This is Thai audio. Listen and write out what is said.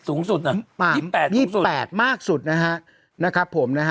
๒๘สูงสุดมักสุดนะครับผม